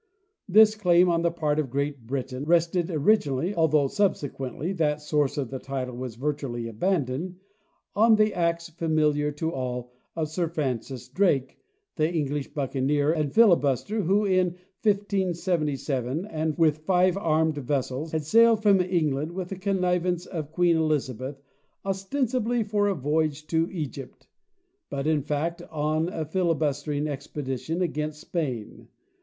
This claim on the part of Great Britain rested originally (although subsequently that source of title was virtually abandoned) on the acts, familiar to all, of Sir Francis Drake, the English buccaneer and filibuster, who, in 1577, with five armed vessels, had sailed from England, with the connivance of Queen Elizabeth, ostensibly for a voyage to Egypt, but in fact on a filibustering expedition against Spain.